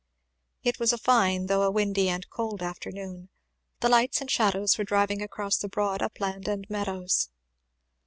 It was a fine though a windy and cold afternoon; the lights and shadows were driving across the broad upland and meadows.